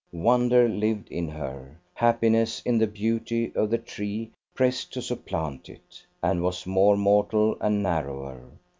Wonder lived in her. Happiness in the beauty of the tree pressed to supplant it, and was more mortal and narrower.